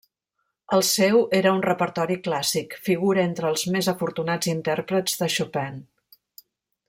El seu era un repertori clàssic; figura entre els més afortunats intèrprets de Chopin.